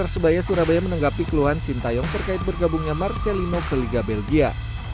saya sudah tahu yang dia akan memiliki keuntungan di liga belgia